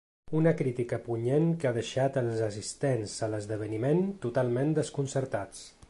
Una crítica punyent que ha deixat els assistents a l’esdeveniment totalment desconcertats.